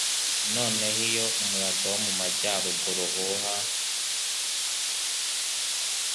noneho iyo umuyaga wo mu majyaruguru uhuha